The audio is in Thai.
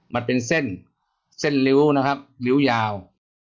มันเป็นเส้นเส้นริ้วยาว